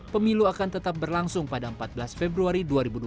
pemilu akan tetap berlangsung pada empat belas februari dua ribu dua puluh